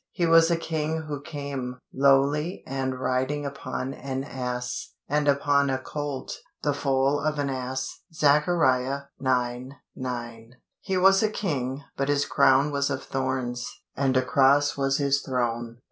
He was a King who came "lowly, and riding upon an ass, and upon a colt, the foal of an ass" (Zech. ix. 9). He was a King, but His crown was of thorns, and a cross was His throne.